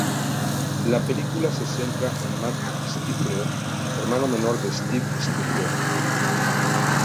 La película se centra en Matt Stifler, hermano menor de Steve Stifler.